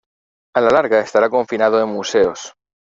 A la larga, estará confinado en museos.